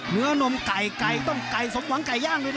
นมไก่ไก่ต้องไก่สมหวังไก่ย่างด้วยนะ